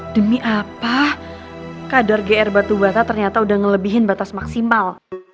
demi apa kadar gr batu bata ternyata udah ngelebihin batas maksimal